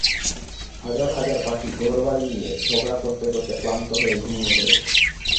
হাজার হাজার পাখি ঘরবাড়ি নিয়ে ঝগড়া করতে করতে ক্লান্ত হয়ে ঘুমিয়ে পড়েছে।